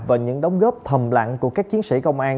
và những đóng góp thầm lặng của các chiến sĩ công an